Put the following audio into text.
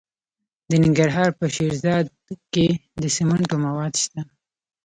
د ننګرهار په شیرزاد کې د سمنټو مواد شته.